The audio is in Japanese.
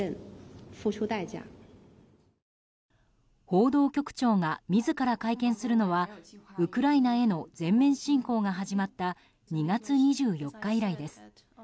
報道局長が自ら会見するのはウクライナへの全面侵攻が始まった、２月２４日以来です。